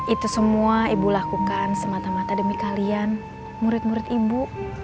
itu semua ibu lakukan semata mata demi kalian murid murid ibu